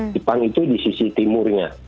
jepang itu di sisi timurnya